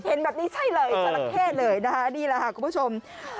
เห็นแบบนี้ใช่เลยจราเข้เลยนะคะนี่แหละค่ะคุณผู้ชม